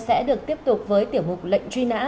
sẽ được tiếp tục với tiểu mục lệnh truy nã